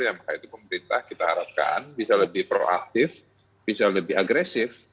maka itu pemerintah kita harapkan bisa lebih proaktif bisa lebih agresif